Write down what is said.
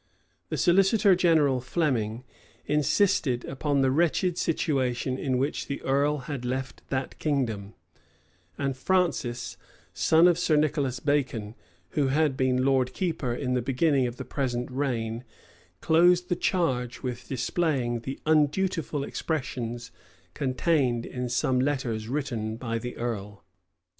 [*] The solicitor general, Fleming, insisted upon the wretched situation in which the earl had left that kingdom; and Francis, son of Sir Nicholas Bacon, who had been lord keeper in the beginning of the present reign, closed the charge with displaying the undutiful expressions contained in some letters written by the earl. * Birch's Memoirs, vol.